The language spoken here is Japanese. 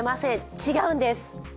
違うんです。